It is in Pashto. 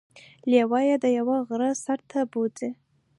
لیوه يې د یوه غره سر ته بوځي.